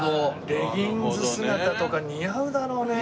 レギンス姿とか似合うだろうね。